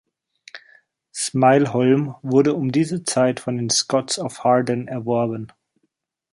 Smailholm wurde um diese Zeit von den Scotts of Harden erworben.